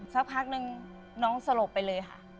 สักพักนึงน้องสลบไปเลยค่ะ